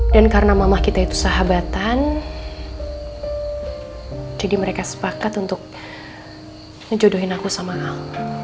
dan karena mamah kita itu sahabatan jadi mereka sepakat untuk ngejodohin aku sama al